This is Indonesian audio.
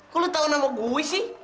kok lu tahu nama gue sih